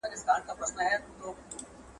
که دوی سره جوړ نه وي ټول کار به خراب سي.